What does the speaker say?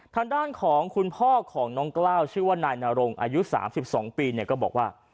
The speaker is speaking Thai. ทางด้านของคุณพ่อของน้องกล้าวชื่อว่านายนรงอายุ๓๒ปีเนี่ยก็บอกว่า